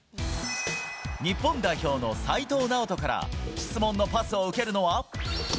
日本代表の齋藤直人から、質問のパスを受けるのは。